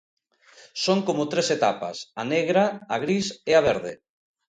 Son como tres etapas: a negra, a gris e a verde.